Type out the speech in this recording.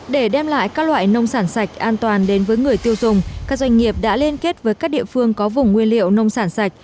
để đem lại các loại nông sản sạch an toàn đến với người tiêu dùng các doanh nghiệp đã liên kết với các địa phương có vùng nguyên liệu nông sản sạch